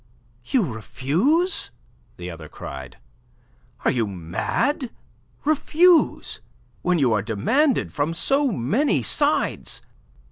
"You refuse?" the other cried. "Are you mad? Refuse, when you are demanded from so many sides?